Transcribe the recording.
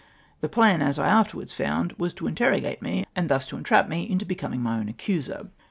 The plan, as I afterwards found, was to interrogate me, and thus to entrap me into becoming my own accuser.